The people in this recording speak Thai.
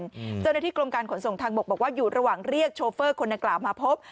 เจ้าหน้าที่กรมการขนส่งทางบกบอกว่าอยู่ระหว่างเรียกโชเฟอร์คนดังกล่าวมาพบ